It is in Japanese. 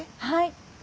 はい。